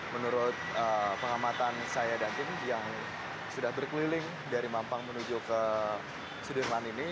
menurut pengamatan saya dan tim yang sudah berkeliling dari mampang menuju ke sudirman ini